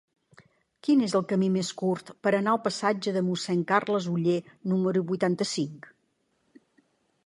Quin és el camí més curt per anar al passatge de Mossèn Carles Oller número vuitanta-cinc?